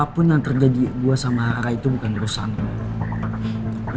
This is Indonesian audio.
apapun yang terjadi gue sama rara itu bukan urusanku